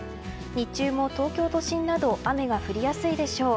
日中も東京都心など雨が降りやすいでしょう。